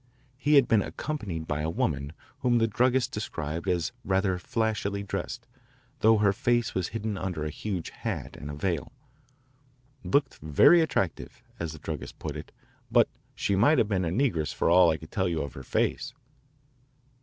He had been accompanied by a woman whom the druggist described as rather flashily dressed, though her face was hidden under a huge hat and a veil. "Looked very attractive," as the druggist put it, "but she might have been a negress for all I could tell you of her face."